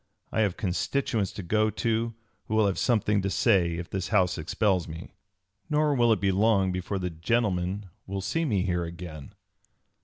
I have constituents to go to who will have something to say if this House expels me. Nor will it be long before the gentlemen will see me here again."